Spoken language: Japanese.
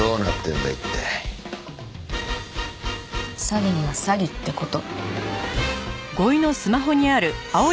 詐欺には詐欺って事。